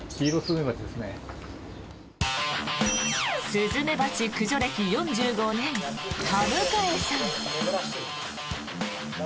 スズメバチ駆除歴４５年田迎さん。